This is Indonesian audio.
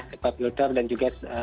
kebapilter dan juga